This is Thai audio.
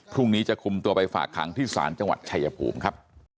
พรุ่งนี้จะคุมตัวไปฝากขังที่ศาลจังหวัดชายภูมิครับ